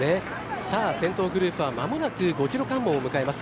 先頭グループは間もなく５キロ関門を迎えます。